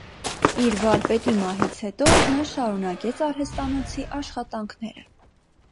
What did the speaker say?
Իր վարպետի մահից հետո նա շարունակեց արհեստանոցի աշխատանքները։